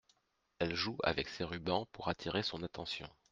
Elle joue avec ses rubans pour attirer son attention.